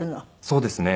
そうですね。